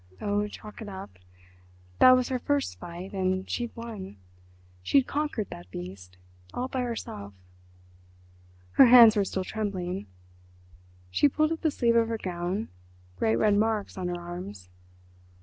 Oh, chalk it up. That was her first fight, and she'd won—she'd conquered that beast—all by herself. Her hands were still trembling. She pulled up the sleeve of her gown—great red marks on her arms.